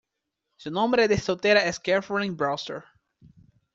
Su nombre de soltera es Katherine Brewster.